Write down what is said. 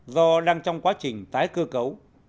do đang trong quá trình tái cơ cấu